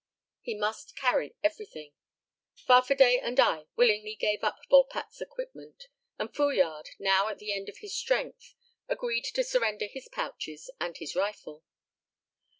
He must carry everything. Farfadet and I willingly gave up Volpatte's equipment; and Fouillade, now at the end of his strength, agreed to surrender his pouches and his rifle.